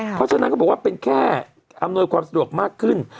เพราะฉะนั้นเขาบอกว่าเป็นแค่อำนวยความสะดวกมากขึ้น